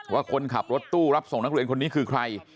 ว่าคนขับรถตู้รับส่งนักเรียนคนนี้คือใคร